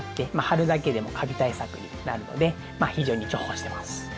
貼るだけでもカビ対策になるので非常に重宝してます。